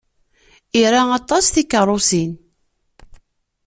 Ira aṭas tikeṛṛusin.